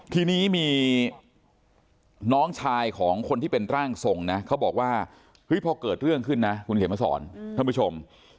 ทีนี้มีน้องชายของคนที่เป็นร่างทรงนะเขาบอกว่าเฮ้ยพอเกิดเรื่องขึ้นนะคุณเขียนมาสอนท่านผู้ชม